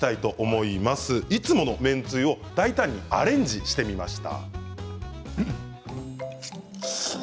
いつもの麺つゆを大胆にアレンジしてみました。